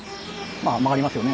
まあ曲がりますよね。